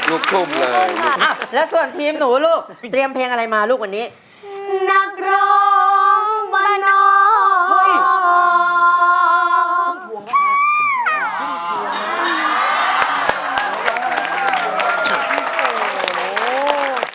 โอโหบาลบอกครับ